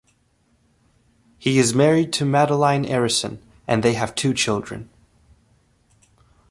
He is married to Madeleine Arison, and they have two children.